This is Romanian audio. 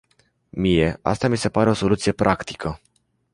Mie, asta mi se pare o soluție practică.